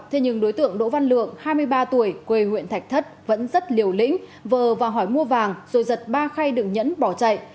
thế nhưng đối tượng đỗ văn lượng hai mươi ba tuổi quê huyện thạch thất vẫn rất liều lĩnh vờ và hỏi mua vàng rồi giật ba khay đường nhẫn bỏ chạy